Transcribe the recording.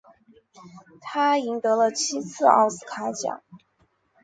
他赢得了七次奥斯卡奖。